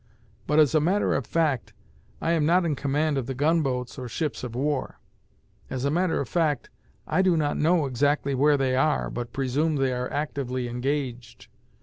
But, as a matter of fact, I am not in command of the gun boats or ships of war; as a matter of fact, I do not know exactly where they are, but presume they are actively engaged.